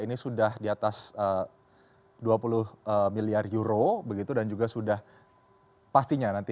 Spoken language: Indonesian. ini sudah di atas dua puluh miliar euro begitu dan juga sudah pastinya nanti